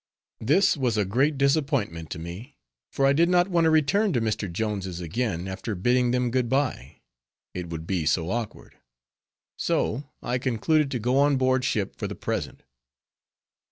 This was a great disappointment to me, for I did not want to return to Mr. Jones' again after bidding them good by; it would be so awkward. So I concluded to go on board ship for the present.